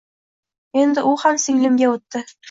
Endi u ham singlimga o‘tdi